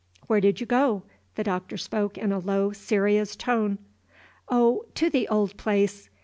"Where did you go?" The Doctor spoke in a low, serious tone. "Oh, to the old place.